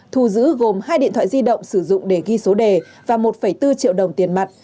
thu giữ gồm hai điện thoại di động sử dụng để ghi số đề và một bốn triệu đồng tiền mặt